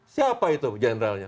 siapa itu jenderalnya